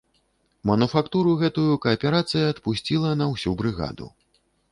Мануфактуру гэтую кааперацыя адпусціла на ўсю брыгаду.